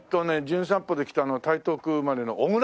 『じゅん散歩』で来た台東区生まれの小椋佳。